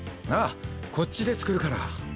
ああこっちで作るから。